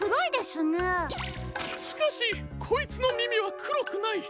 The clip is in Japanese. しかしこいつのみみはくろくない。